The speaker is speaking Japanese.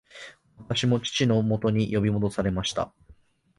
私も父のもとに呼び戻されました